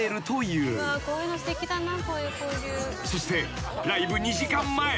［そしてライブ２時間前］